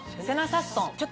セナサストン